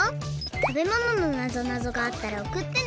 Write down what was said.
たべもののなぞなぞがあったらおくってね！